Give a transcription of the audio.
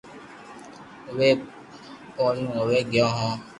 اووي ڀوپو آوي گيو